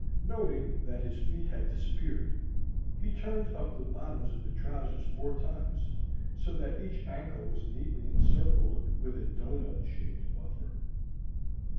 Noting that his feet had disappeared, he turned up the bottoms of the trousers four times, so that each ankle was neatly encircled with a doughnut shaped buffer.